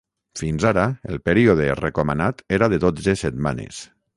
Fins ara, el període recomanat era de dotze setmanes.